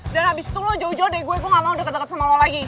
dan abis itu lo jauh jauh deh gue gue gak mau deket deket sama lo lagi